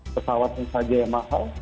pesawat yang saja yang mahal